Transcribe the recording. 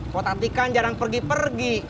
kok tati kan jarang pergi pergi